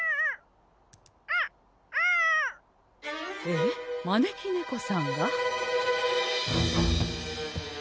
えっ招き猫さんが！？